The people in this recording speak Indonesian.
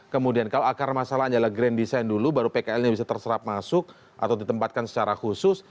kemudian kalau akar masalahnya adalah grand design dulu baru pkl nya bisa terserap masuk atau ditempatkan secara khusus